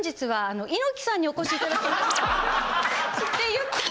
はい。